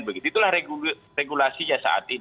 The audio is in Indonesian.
begitulah regulasinya saat ini